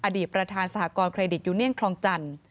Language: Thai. อดีตประธานสหกรณเครดิตยูเนียนคลองจันทร์